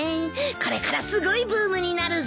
これからすごいブームになるぞ。